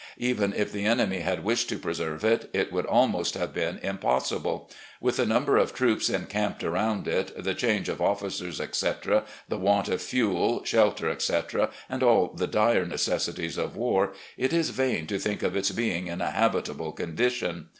Even if the enemy had wished to preserve it, it would almost have been impossible. With the nvimber of troops encamped arotmd it, the change of officers, etc., the want of fuel, shelter, etc., and all the dire necessities of war, it is vain to think of its being in a habit able condition.